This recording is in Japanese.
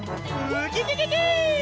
ウキキキ！